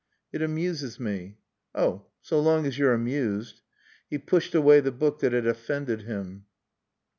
"It amuses me." "Oh so long as you're amused." He pushed away the book that had offended him.